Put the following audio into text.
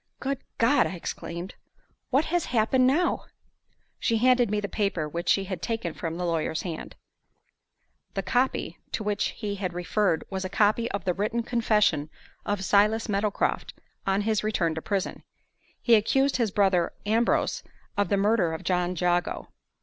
"Good God!" I exclaimed, "what has happened now?" She handed me the paper which she had taken from the lawyer's hand. The "copy" to which he had referred was a copy of the written confession of Silas Meadowcroft on his return to prison. He accused his brother Ambrose of the murder of John Jago.